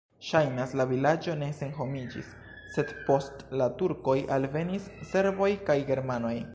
Ŝajnas, la vilaĝo ne senhomiĝis, sed post la turkoj alvenis serboj kaj germanoj.